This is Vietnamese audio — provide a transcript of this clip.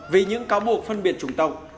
vì những cáo buộc phân biệt chủng tộc